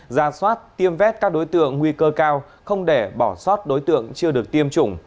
ra soát tiêm vét các đối tượng nguy cơ cao không để bỏ sót đối tượng chưa được tiêm chủng